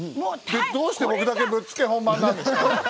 どうして僕だけぶっつけ本番なんですか！